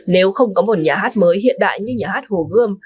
nếu không có một nhà hát mới hiện đại như nhà hát hồ gươm